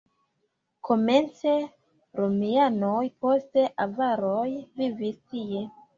Komence romianoj, poste avaroj vivis tie.